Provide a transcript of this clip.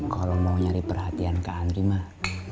kalo lo mau nyari perhatian kak andri mah